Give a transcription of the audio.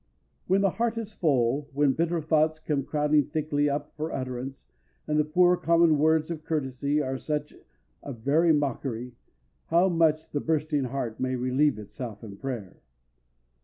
When the heart is full, when bitter thoughts come crowding thickly up for utterance, and the poor common words of courtesy are such a very mockery, how much the bursting heart may relieve itself in prayer!